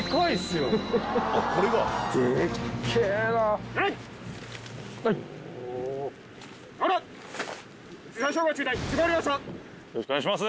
よろしくお願いします。